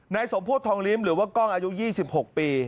สมโพธิทองลิ้มหรือว่ากล้องอายุ๒๖ปี